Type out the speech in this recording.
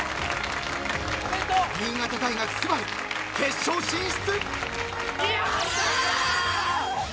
［新潟大学すばる決勝進出］